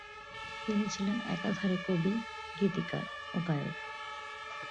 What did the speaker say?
তিনি ছিলেন একাধারে কবি, গীতিকার ও গায়ক।